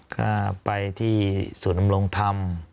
ก็ไปที่สู่นำลงธรรม